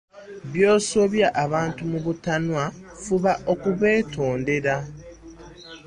"Bw'osobya abantu mu butanwa, fuba okubeetondere."